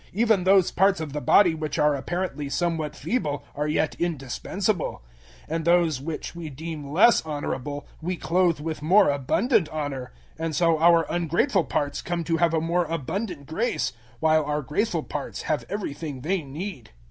Even those parts of the body which are apparently somewhat feeble are yet indispensable; 012:023 and those which we deem less honorable we clothe with more abundant honor; and so our ungraceful parts come to have a more abundant grace, while our graceful parts have everything they need.